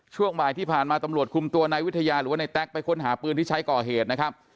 ช่วงบ่ายที่ผ่านมาตำรวจคุมตัวนายวิทยาหรือว่าในแต๊กไปค้นหาปืนที่ใช้ก่อเหตุนะครับ